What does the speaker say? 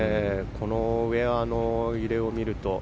ウェアの揺れを見ると。